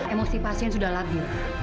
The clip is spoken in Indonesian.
emosi pasien sudah labi